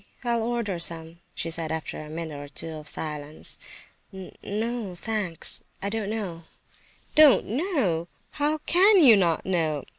I'll order some," she said, after a minute or two of silence. "N no thanks, I don't know—" "Don't know! How can you not know?